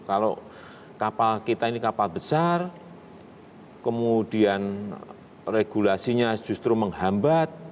kalau kapal kita ini kapal besar kemudian regulasinya justru menghambat